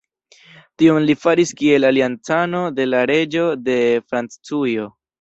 Tion li faris kiel aliancano de la reĝo de Francujo.